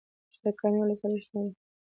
د کامې ولسوالۍ شنه ده